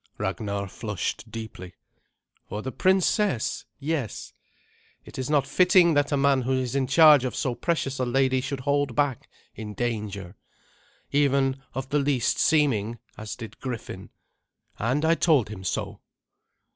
Ragnar flushed deeply. "For the princess yes. It is not fitting that a man who is in charge of so precious a lady should hold back in danger, even of the least seeming, as did Griffin. And I told him so."